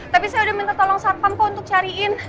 tapi saya udah minta tolong satpampo untuk cariin